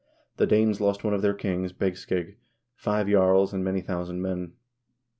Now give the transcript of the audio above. The Danes lost one of their kings, Bsegsceg, five jarls, and many thousand men.